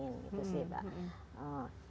itu sih mbak